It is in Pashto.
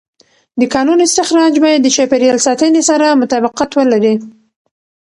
د کانونو استخراج باید د چاپېر یال ساتنې سره مطابقت ولري.